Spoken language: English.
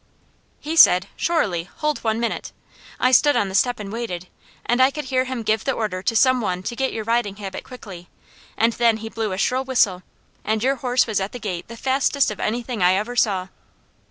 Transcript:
"He said: 'Surely! Hold one minute.' I stood on the step and waited, and I could hear him give the order to some one to get your riding habit quickly, and then he blew a shrill whistle, and your horse was at the gate the fastest of anything I ever saw."